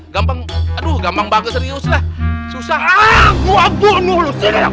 gampang aduh gampang banget serius lah susah gua bunuh lo